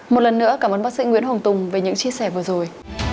một lần nữa cảm ơn bác sĩ nguyễn hồng tùng về những chia sẻ vừa rồi